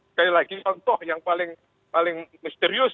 sekali lagi contoh yang paling misterius